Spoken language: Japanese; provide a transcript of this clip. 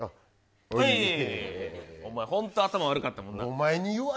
本当頭悪かったもんな。